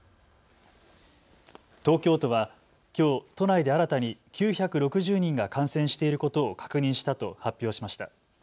東京都は、きょう都内で新たに９６０人が感染していることを確認したと発表しました。